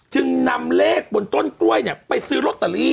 จึงนำเลขบนต้นกล้วยเนี่ยไปซื้อโรตเตอรี่โอ้